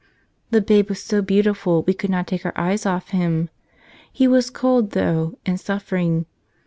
The Babe was so beautiful we could not take our eyes off Him. He was cold, though, and suffering.